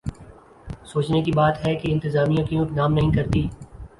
سوچنے کی بات ہے کہ انتظامیہ کیوں اقدام نہیں کرتی؟